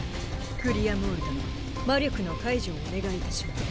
グリアモール殿魔力の解除をお願いいたします。